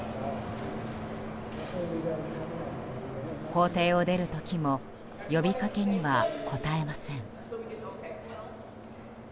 法廷を出る時も呼びかけには応えません。